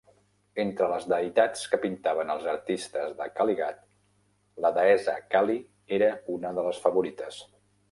Entre les deïtats que pintaven els artistes de Kalighat, la deessa Kali era una de les favorites.